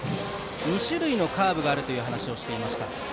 ２種類のカーブがあるという話をしていました。